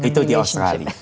itu di australia